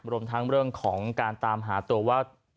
รวมทั้งเรื่องของการตามหาตัวว่า